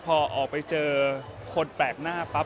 พอออกไปเจอคนแปลกหน้าปั๊บ